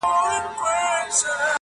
پر وجود څه ډول حالت وو اروا څه ډول وه~